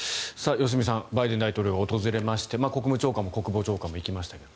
良純さんバイデン大統領が訪れまして国務長官も国防長官も行きました